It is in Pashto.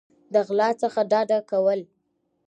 د غلا څخه ډډه کول